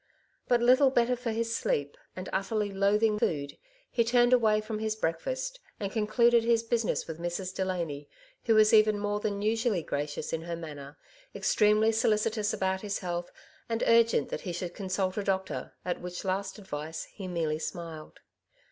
But little better for his sleep, and utterly loathing food, he turned away from his breakfast, and con cluded his business with Mrs. Delany, who was even more than usually gracious in her manner, ex tremely soUcitous about his health, and urgent that he should consult a doctor, at which last advice he merely smiled.